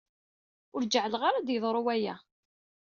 Ur ǧeɛɛleɣ ara ad d-yeḍru kra.